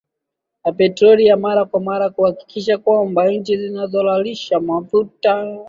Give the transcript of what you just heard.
ya petroli ya mara kwa mara Kuhakikisha ya kwamba nchi zinazolalisha mafuta